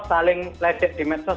saling lecek di medsos